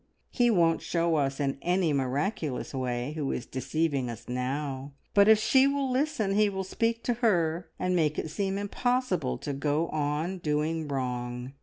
He won't show us in any miraculous way who is deceiving us now, but if she will listen He will speak to her, and make it seem impossible to go on doing wrong."